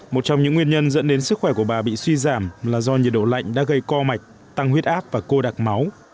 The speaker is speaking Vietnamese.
một trong những nguyên nhân dẫn đến sức khỏe của bà bị suy giảm là do nhiệt độ lạnh đã gây co mạch tăng huyết áp và cô đặc máu